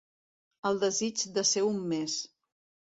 El desig de ser un més.